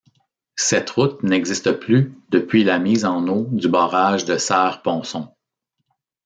Cette route n'existe plus depuis la mise en eau du barrage de Serre-Ponçon.